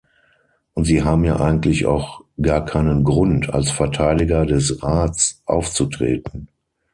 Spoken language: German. Und Sie haben ja eigentlich auch gar keinen Grund, als Verteidiger des Rats aufzutreten.